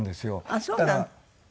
ああそうなの？